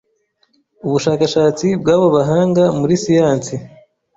ubushakashatsi bw'abo bahanga muri siyansi